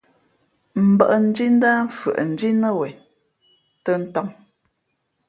Mbᾱʼndhǐ ndǎh fʉαʼndhǐ nά wen tᾱ tām.